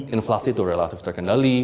inflasi itu relatif terkendali